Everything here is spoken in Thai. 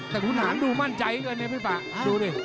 แต่หุ่นหามดูมั่นใจเกินเลยพี่ฟ้าดูดิ